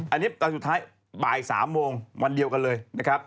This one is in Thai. อันนี้ตอนสุดท้ายบ่าย๓โมงวันเดียวกันเลยนะครับ